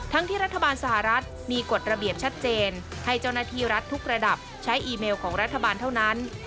ที่รัฐบาลสหรัฐมีกฎระเบียบชัดเจนให้เจ้าหน้าที่รัฐทุกระดับใช้อีเมลของรัฐบาลเท่านั้น